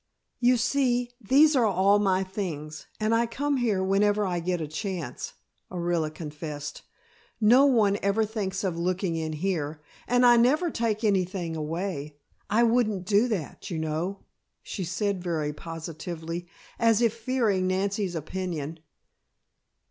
"You see, these are all my things, and I come here whenever I get a chance," Orilla confessed. "No one ever thinks of looking in here, and I never take anything away. I wouldn't do that, you know," she said very positively, as if fearing Nancy's opinion.